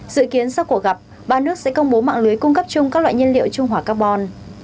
dự kiến sau cuộc gặp ba nước sẽ công bố mạng lưới cung cấp chung các loại nhiên liệu trung hòa carbon